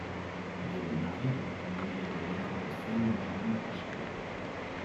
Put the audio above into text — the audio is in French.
Il est le mari de la comédienne et metteur en scène Julie Brochen.